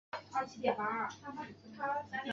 它是世界上最长寿的急诊。